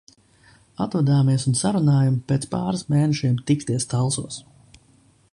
Atvadāmies un sarunājam pēc pāris mēnešiem tikties Talsos.